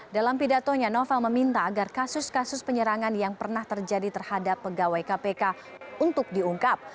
dalam pidatonya novel meminta agar kasus kasus penyerangan yang pernah terjadi terhadap pegawai kpk untuk diungkap